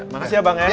makasih ya bang ya